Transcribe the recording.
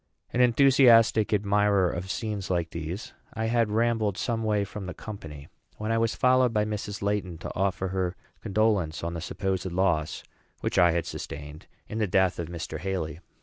An enthusiastic admirer of scenes like these, I had rambled some way from the company, when I was followed by Mrs. Laiton to offer her condolence on the supposed loss which I had sustained in the death of Mr. Haly.